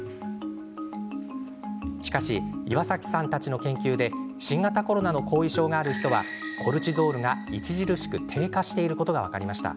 しかし、岩崎さんたちの研究で新型コロナの後遺症がある人はコルチゾールが著しく低下していることが分かりました。